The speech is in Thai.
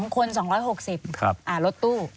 ๒คน๒๖๐บาทรถตู้